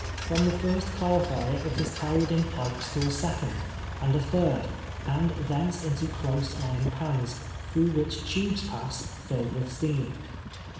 From the first clarifier it is carried in pipes to a second and a third, and thence into close iron pans, through which tubes pass, filled with steam.